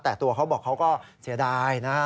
แต่ตัวเขาบอกก็เสียดาย